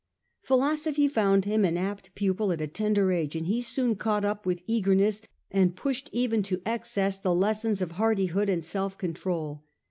Philosophy found him an apt pupil at a tender age, and he soon caught up with eagerness, and pushed even to excess, the lessons of hardihood and self control.